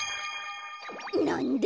なんだ？